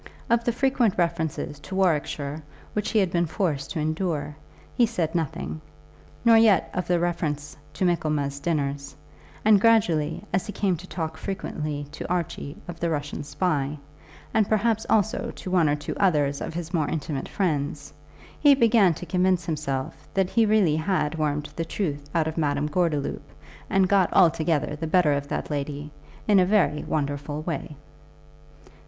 Of the frequent references to Warwickshire which he had been forced to endure, he said nothing, nor yet of the reference to Michaelmas dinners; and, gradually, as he came to talk frequently to Archie of the Russian spy, and perhaps also to one or two others of his more intimate friends, he began to convince himself that he really had wormed the truth out of Madame Gordeloup, and got altogether the better of that lady, in a very wonderful way.